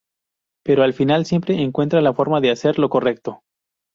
Pero al final, siempre encuentra la forma de hacer lo correcto.